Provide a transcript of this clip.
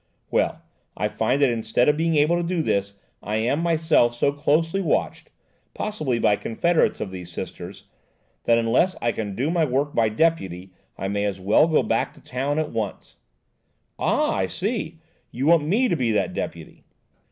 Well, I find that instead of being able to do this, I am myself so closely watched–possibly by confederates of these Sisters–that unless I can do my work by deputy I may as well go back to town at once." "Ah! I see–you want me to be that deputy."